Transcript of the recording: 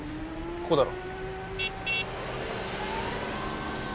ここだろ。